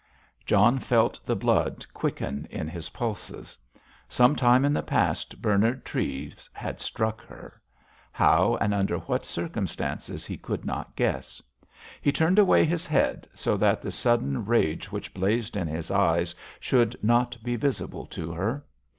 John felt the blood quicken in his pulses. Some time in the past Bernard Treves had struck her. How and under what circumstances he could not guess. He turned away his head, so that the sudden rage which blazed in his eyes should not be visible to her.